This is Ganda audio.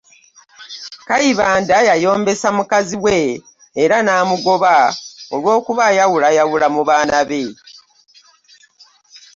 Kayibanda yayombesa mukazi we era n’amugoba olw’okuba ayawulayawula mu baana be.